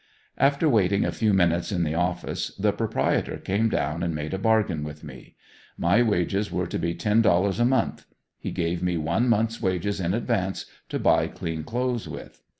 After waiting a few minutes in the office, the proprietor came down and made a bargain with me. My wages were to be ten dollars a month. He gave me one month's wages in advance, to buy clean clothes with.